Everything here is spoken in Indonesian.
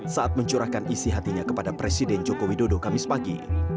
saat mencurahkan isi hatinya kepada presiden joko widodo kamis pagi